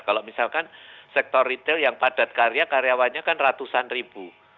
kalau misalkan sektor retail yang padat karya karyawannya kan ratusan ribu